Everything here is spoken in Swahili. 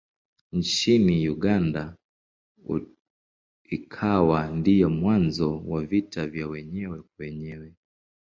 Nchini Uganda ikawa ndiyo mwanzo wa vita vya wenyewe kwa wenyewe.